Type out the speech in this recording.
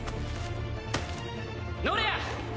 ノレア！